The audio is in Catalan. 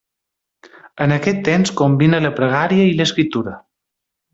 En aquest temps combina la pregària i l'escriptura.